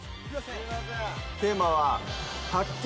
テーマは、発見！